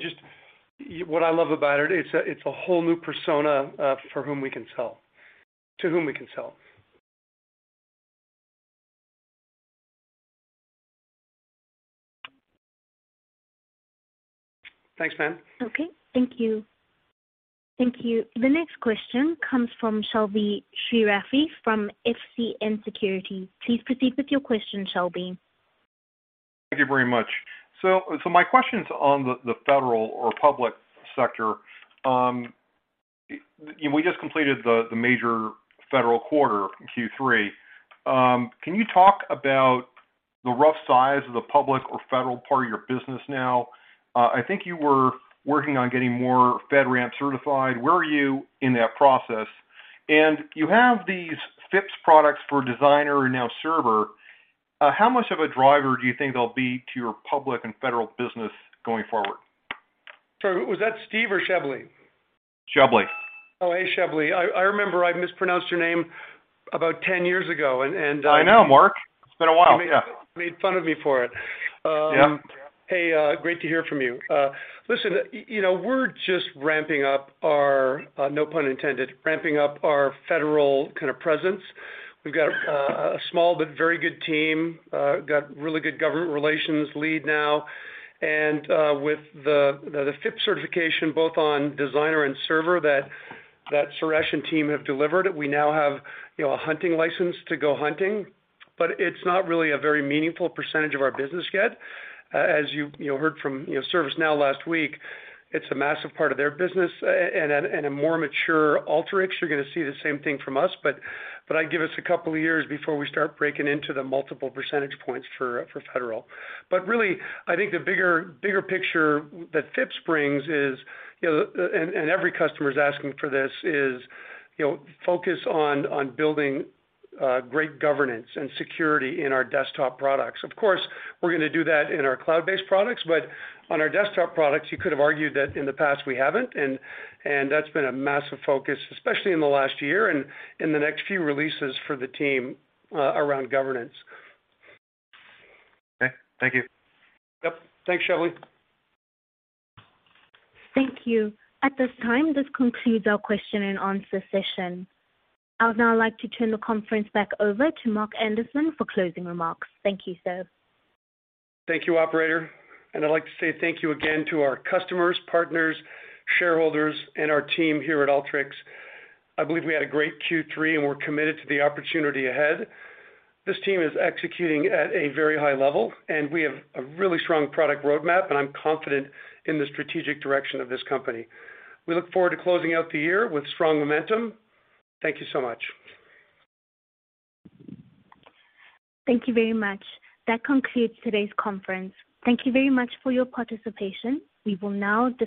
what I love about it. It's a whole new persona to whom we can sell. Thanks, ma'am. Okay. Thank you. Thank you. The next question comes from Shebly Seyrafi from FBN Securities. Please proceed with your question, Shebly. Thank you very much. My question's on the federal or public sector. You know, we just completed the major federal quarter in Q3. Can you talk about the rough size of the public or federal part of your business now? I think you were working on getting more FedRAMP certified. Where are you in that process? You have these FIPS products for Designer and now Server. How much of a driver do you think they'll be to your public and federal business going forward? Sorry, was that Steve or Shebly? Shebly. Oh, hey, Shebly. I remember I mispronounced your name about 10 years ago and- I know, Mark. It's been a while. Yeah. Made fun of me for it. Yeah. Hey, great to hear from you. Listen, you know, we're just ramping up our, no pun intended, ramping up our federal kind of presence. We've got a small but very good team. Got really good government relations lead now. With the FIPS certification both on Designer and Server that Suresh and team have delivered, we now have, you know, a hunting license to go hunting. It's not really a very meaningful percentage of our business yet. As you know, you heard from ServiceNow last week, it's a massive part of their business. A more mature Alteryx, you're gonna see the same thing from us, but I'd give us a couple of years before we start breaking into the multiple percentage points for federal. Really, I think the bigger picture that FIPS brings is, you know, every customer is asking for this, you know, focus on building great governance and security in our desktop products. Of course, we're gonna do that in our cloud-based products, but on our desktop products, you could have argued that in the past we haven't, and that's been a massive focus, especially in the last year and in the next few releases for the team around governance. Okay. Thank you. Yep. Thanks, Shebly. Thank you. At this time, this concludes our question and answer session. I would now like to turn the conference back over to Mark Anderson for closing remarks. Thank you, sir. Thank you, operator. I'd like to say thank you again to our customers, partners, shareholders, and our team here at Alteryx. I believe we had a great Q3, and we're committed to the opportunity ahead. This team is executing at a very high level, and we have a really strong product roadmap, and I'm confident in the strategic direction of this company. We look forward to closing out the year with strong momentum. Thank you so much. Thank you very much. That concludes today's conference. Thank you very much for your participation. We will now disconnect.